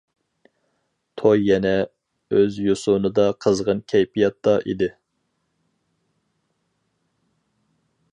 توي يەنە ئۆز يوسۇنىدا قىزغىن كەيپىياتتا ئىدى.